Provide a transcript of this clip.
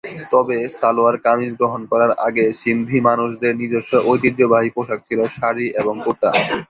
তবে, সালোয়ার-কামিজ গ্রহণ করার আগে সিন্ধি মানুষদের নিজস্ব ঐতিহ্যবাহী পোশাক ছিল শাড়ি এবং কুর্তা।